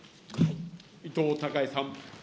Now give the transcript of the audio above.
伊藤孝恵さん。